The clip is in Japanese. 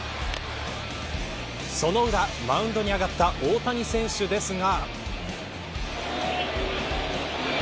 その裏、マウンドに上がった大谷選手ですが。